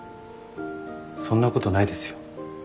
そんなことないですよ。